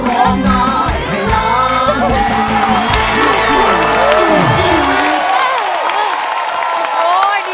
ได้ครับ